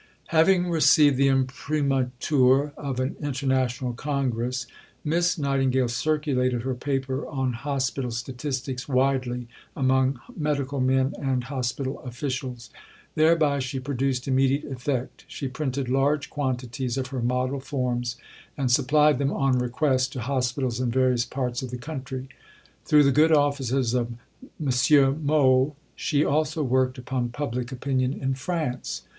Having received the imprimatur of an International Congress, Miss Nightingale circulated her paper on Hospital Statistics widely among medical men and hospital officials. Thereby she produced immediate effect. She printed large quantities of her Model Forms, and supplied them, on request, to hospitals in various parts of the country. Through the good offices of M. Mohl, she also worked upon public opinion in France.